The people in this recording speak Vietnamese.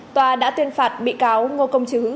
tòa đã tuyên phạt bị cáo ngô công chứ